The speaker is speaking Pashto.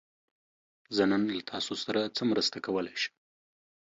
زه نن له تاسو سره څه مرسته کولی شم؟